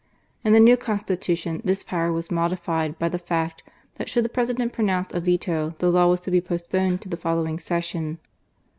In the new Constitution this power wai modified by the fact, t|iat should the Prfesident pronounce a veto, the law %as to be postponed to the foflowing session.